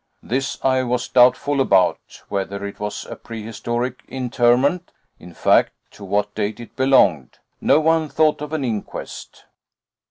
This I was doubtful about, whether it was a prehistoric interment in fact, to what date it belonged. No one thought of an inquest."